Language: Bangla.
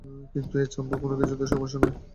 কিন্তু এই চাম্পুর কোনোকিছুতেই কোনো সমস্যাই নেই।